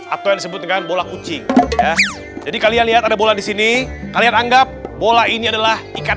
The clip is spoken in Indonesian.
atau disebutkan bola kucing jadi kalian lihat ada bola di sini kalian anggap bola ini adalah ikan